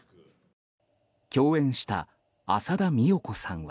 共演した浅田美代子さんは。